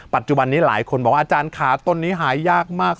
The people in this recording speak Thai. ปัจจุบันนี้หลายคนบอกว่าอาจารย์ขาต้นนี้หายากมาก